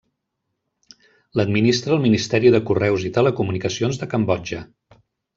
L'administra el Ministeri de Correus i Telecomunicacions de Cambodja.